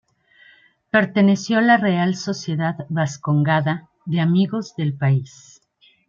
Perteneció a la Real Sociedad Bascongada de Amigos del País.